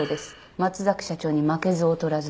松崎社長に負けず劣らずの。